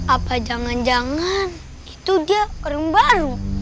apa jangan jangan itu dia orang baru